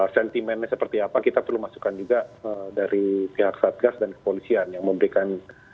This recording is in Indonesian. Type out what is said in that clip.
sentimennya seperti apa kita perlu masukkan juga dari pihak satgas dan kepolisian yang memberikan